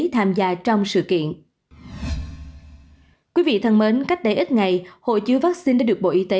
đã làm ra trong sự kiện quý vị thân mến cách đây ít ngày hộ chiếu vắc xin đã được bộ y tế